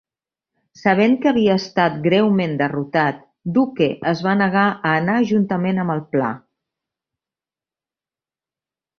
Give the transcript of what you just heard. Sabent que havia estat greument derrotat, Duque es va negar a anar juntament amb el pla.